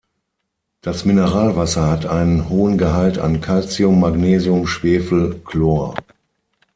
Das Mineralwasser hat einen hohen Gehalt an Kalzium, Magnesium, Schwefel, Chlor.